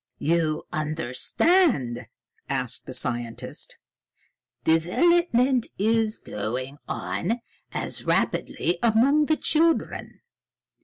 "You understand?" asked the scientist. "Development is going on as rapidly among the children.